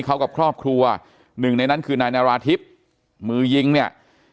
เขากับครอบครัวหนึ่งในนั้นคือนายนาราธิบมือยิงเนี่ย